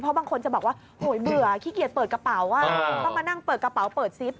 เพราะบางคนจะบอกว่าโหยเบื่อขี้เกียจเปิดกระเป๋าต้องมานั่งเปิดกระเป๋าเปิดซิป